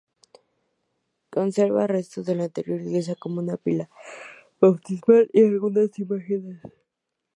Conserva restos de la anterior iglesia como una pila bautismal y algunas imágenes.